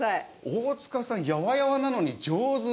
大塚さんやわやわなのに上手！